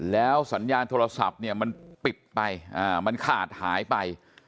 แล้วสัญญาณโทรศัพท์เนี่ยมันปิดไปมันขาดหายไป